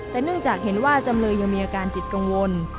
แต่เนื่องจากเห็นว่าจำเลยยังมีอาการจิตกังวล